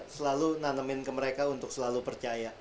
selalu nanemin ke mereka untuk selalu percaya